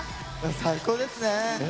最高ですね。